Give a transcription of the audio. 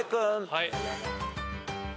はい。